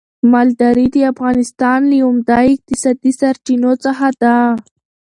مالداري د افغانستان له عمده اقتصادي سرچينو څخه ده.